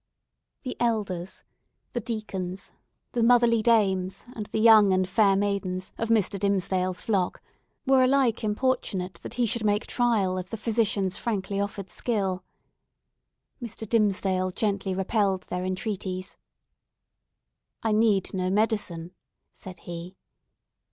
The elders, the deacons, the motherly dames, and the young and fair maidens of Mr. Dimmesdale's flock, were alike importunate that he should make trial of the physician's frankly offered skill. Mr. Dimmesdale gently repelled their entreaties. "I need no medicine," said he.